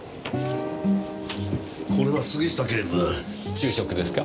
昼食ですか？